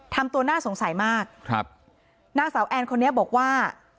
ทำตัวน่าสงสัยมากครับนางสาวแอนคนนี้บอกว่า